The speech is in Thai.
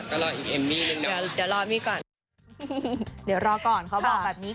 ก็รออีกเอมมี่เลยเนอะเดี๋ยวรออันนี้ก่อนเดี๋ยวรอก่อนเขาบอกแบบนี้